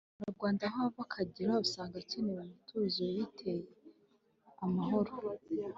umunyarwanda aho ava akagera usanga akenyeye umutuzo yiteye amahoro